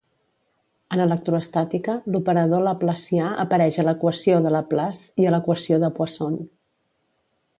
En electroestàtica, l'operador laplacià apareix a l'equació de Laplace i a l'equació de Poisson.